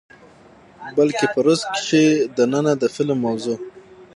بلکې په روس کښې دننه د فلم د موضوع،